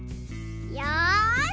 よし！